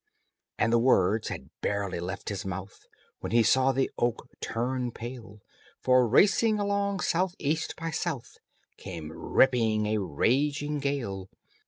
And the words had barely left his mouth When he saw the oak turn pale, For, racing along south east by south, Came ripping a raging gale.